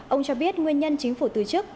ông cho biết nguyên nhân chính phủ từ chức